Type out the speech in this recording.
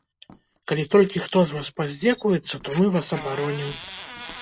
Калі толькі хто з вас паздзекуецца, то мы вас абаронім.